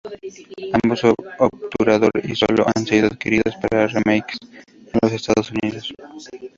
Ambos obturador y Solo han sido adquiridos para remakes en los Estados Unidos.